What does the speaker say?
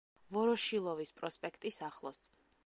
ვოროშილოვის პროსპექტის ახლოს.